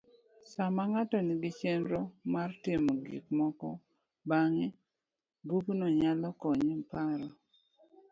Sama ng'ato nigi chenro mar timo gikmoko bang`e,bugno nyalo konye paro.